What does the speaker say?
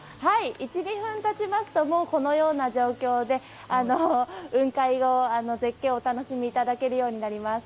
１２分経ちますと、もうこのような状況で雲海の絶景をお楽しみいただけるようになります。